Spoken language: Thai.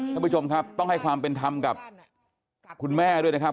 ท่านผู้ชมครับต้องให้ความเป็นธรรมกับคุณแม่ด้วยนะครับ